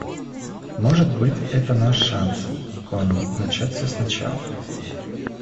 Может быть, это наш шанс, Конни, начать все сначала.